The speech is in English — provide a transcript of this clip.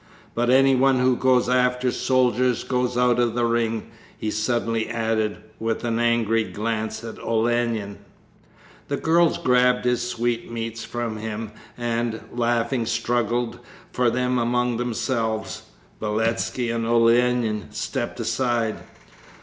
"But anyone who goes after soldiers goes out of the ring!" he suddenly added, with an angry glance at Olenin. The girls grabbed his sweetmeats from him, and, laughing, struggled for them among themselves. Beletski and Olenin stepped aside.